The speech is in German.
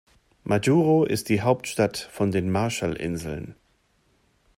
Majuro ist die Hauptstadt von den Marshallinseln.